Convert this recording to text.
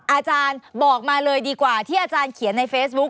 อาจารย์บอกมาเลยดีกว่าที่อาจารย์เขียนในเฟซบุ๊ค